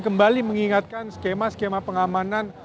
kembali mengingatkan skema skema pengamanan